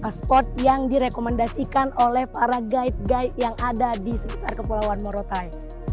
salah satu spot yang direkomendasikan oleh para guide yang ada di sekitar kepulauan morotai